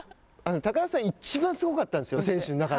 高田さんいちばんすごかったんですよね。